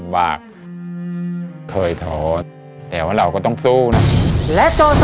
ทาราบังชุดรับแขกเนี่ยออกวางแผงในปีภศ๒๕๔๖ค่ะ